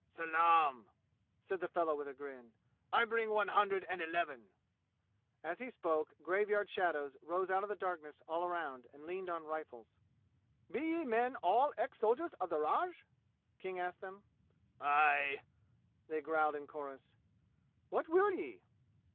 "Salaam!" said the fellow with a grin. "I bring one hundred and eleven!" As he spoke graveyard shadows rose out of the darkness all around and leaned on rifles. "Be ye men all ex soldiers of the raj?" King asked them. "Aye!" they growled in chorus. "What will ye?"